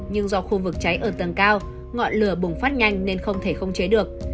nhưng do khu vực cháy ở tầng cao ngọn lửa bùng phát nhanh nên không thể không chế được